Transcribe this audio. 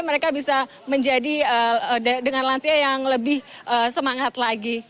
mereka bisa menjadi dengan lansia yang lebih semangat lagi